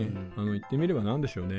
言ってみれば何でしょうね。